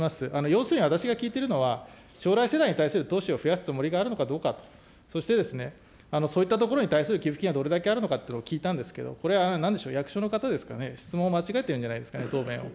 要するに、私が聞いているのは、将来世代に対する投資を増やすつもりがあるのかどうか、そしてですね、そういったところに対する給付金はどれだけあるのかということを聞いたんですけれども、これは何しろ、役所の方ですかね、質問を間違えているんじゃないですかね、質問を。